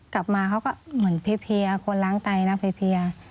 กลับมาเขาก็เหมือนเพียคนล้างไตล้างเพีย